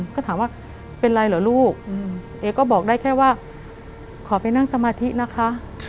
ก็ถามว่าเป็นไรเหรอลูกเอ๊ก็บอกได้แค่ว่าขอไปนั่งสมาธินะคะ